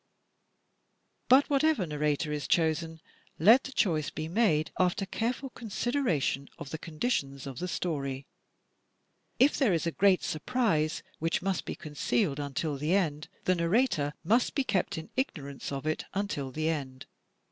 But whatever narrator is chosen, let the choice be made after careful consideration of the conditions of the story. If there is a great surprise which must be concealed until the end, the narrator must be kept in ignorance of it imtil the end.